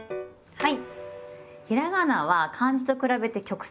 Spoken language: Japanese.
はい。